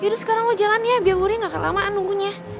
yaudah sekarang lo jalan ya biar wuri ga kaget lamaan nunggunya